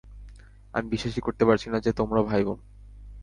আমি বিশ্বাসই করতে পারছি না যে তোমরা ভাই-বোন।